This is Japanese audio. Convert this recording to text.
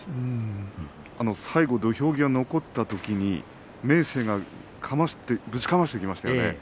最後土俵際残ったときに明生がぶちかましてきましたよね